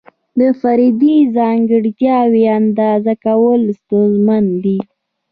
فردي ځانګړتیاوې اندازه کول ستونزمن دي.